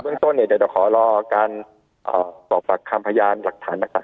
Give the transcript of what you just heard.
เบื้องต้นเนี่ยเดี๋ยวจะขอรอการเอ่อบอกประคามพยานหลักฐานต่าง